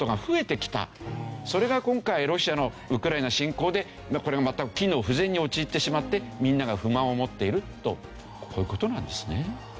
それが今回ロシアのウクライナ侵攻でこれがまた機能不全に陥ってしまってみんなが不満を持っているとこういう事なんですね。